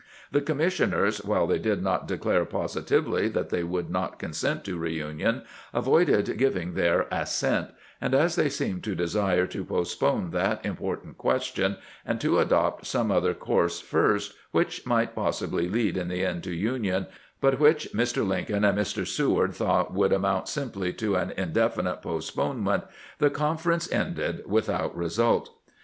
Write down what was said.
The commissioners, while they did not declare positively that they would not con sent to reunion, avoided giving their assent ; and as they seemed to desire to postpone that important question, and adopt some other course first which might possibly lead in the end to union, but which Mr. Lincoln and Mr. Seward thought would amount simply to an indefinite postponement, the conference ended without result.